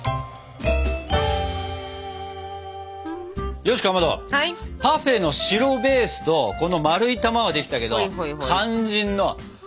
よしかまどパフェの白ベースとこの丸い玉はできたけど肝心のここ！